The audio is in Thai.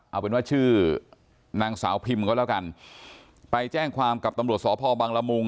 เอาเป็นว่าชื่อนางสาวพิมก็แล้วกันไปแจ้งความกับตำรวจสพบังละมุง